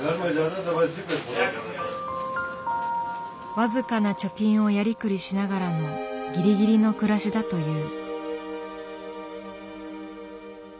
僅かな貯金をやりくりしながらのぎりぎりの暮らしだという。